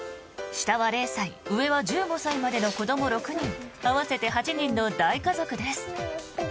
下は０歳、上は１５歳までの子ども６人合わせて８人の大家族です。